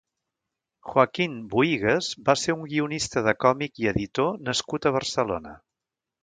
Joaquín Buigas va ser un guionista de còmic i editor nascut a Barcelona.